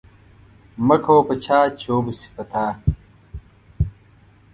مکوه په چاه چې و به سي په تا.